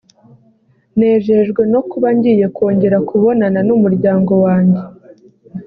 “Nejejwe no kuba ngiye kongera kubonana n’umuryango wanjye